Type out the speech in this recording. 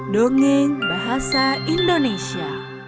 dongeng bahasa indonesia